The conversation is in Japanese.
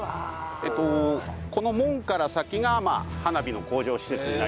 この門から先が花火の工場施設になります。